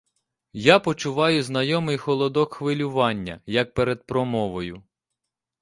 Я почуваю знайомий холодок хвилювання, як перед промовою.